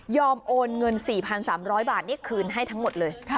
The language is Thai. โอนเงิน๔๓๐๐บาทนี่คืนให้ทั้งหมดเลย